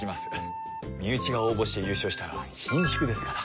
身内が応募して優勝したらひんしゅくですから。